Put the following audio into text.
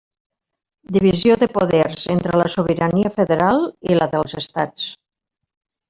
Divisió de poders entre la sobirania federal i la dels estats.